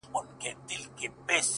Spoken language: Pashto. پر وجود څه ډول حالت وو اروا څه ډول وه،